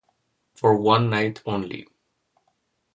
For One Night Only".